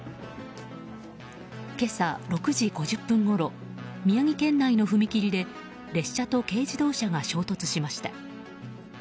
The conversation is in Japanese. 今朝、６時５０分ごろ宮城県内の踏切で列車と軽自動車が衝突しました。